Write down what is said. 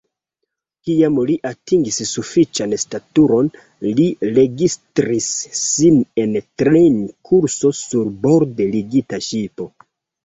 Kiam li atingis sufiĉan staturon, li registris sin en trejnkurso sur borde ligita ŝipo.